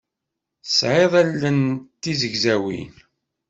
Tesɛiḍ allen d tizegzawin.